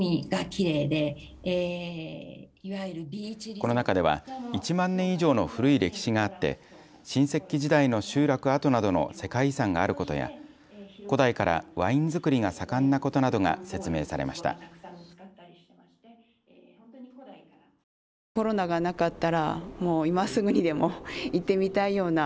この中では、１万年以上の古い歴史があって新石器時代の集落跡などの世界遺産があることや古代からワイン造りが盛んなことなどが説明されました。